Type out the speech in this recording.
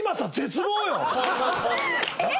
「えっ！？」